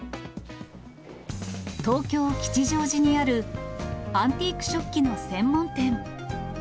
東京・吉祥寺にある、アンティーク食器の専門店。